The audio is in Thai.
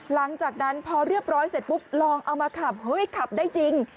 หลังจากนั้นพอเรียบร้อยเสร็จปุ๊บลองเอามาขับเฮ้ยขับได้จริง